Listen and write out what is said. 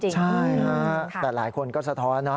ใช่ฮะแต่หลายคนก็สะท้อนนะ